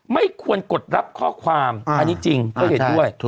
ไม่ควรกดรับข้อความอันนี้จริงก็เห็นด้วย